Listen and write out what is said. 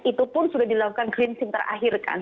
itu pun sudah dilakukan cleansing terakhir kan